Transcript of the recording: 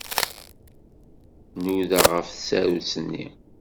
Nudaɣ ɣef tsarut-nni.